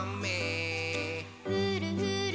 「ふるふる」